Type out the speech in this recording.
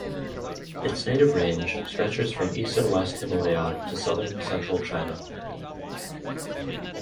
Its native range stretches from (East and West) Himalaya to southern Central China.